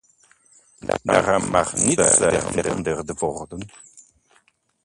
Daaraan mag niets veranderd worden.